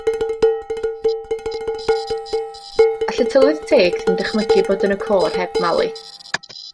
All y tylwyth teg ddim dychmygu bod yn y côr heb Mali.